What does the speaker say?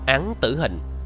án tử hình